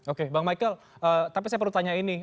oke bang michael tapi saya perlu tanya ini